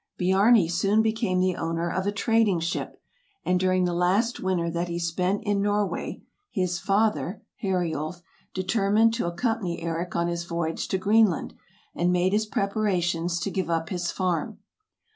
Biarni soon became the owner of a trading ship ; and during the last winter that he spent in Norway [his father] Heriulf determined to accompany Eric on his voyage to Greenland, and made his preparations 6 THE EARLY EXPLORERS 7 o give up his farm.